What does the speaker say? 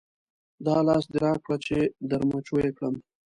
دا لاس دې راکړه چې در مچو یې کړم.